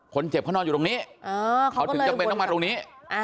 คนเจ็บเขานอนอยู่ตรงนี้เขาถึงจำเป็นต้องมาตรงนี้